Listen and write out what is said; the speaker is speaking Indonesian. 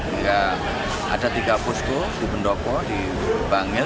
hingga ada tiga posko kupendoko di bangil